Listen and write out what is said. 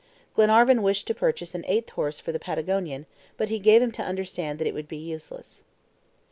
Glenarvan wished to purchase an eighth horse for the Patagonian, but he gave him to understand that it would be useless.